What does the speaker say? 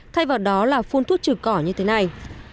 thay vào đó là phun thuốc trừ cỏ như thế này